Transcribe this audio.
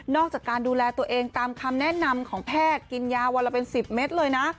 จากการดูแลตัวเองตามคำแนะนำของแพทย์กินยาวันละเป็น๑๐เมตรเลยนะ